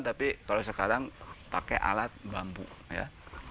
tapi kalau sekarang pakai alat bambu ya